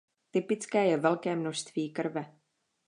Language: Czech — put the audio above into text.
Typické je velké množství krve.